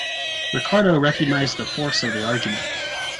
Ricardo recognised the force of the argument.